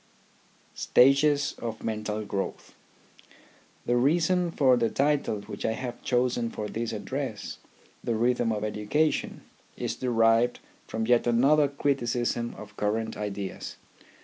STAGES OF MENTAL GROWTH The reason for the title which I have chosen for this address, the Rhythm of Education, is derived from yet another criticism of current ideas.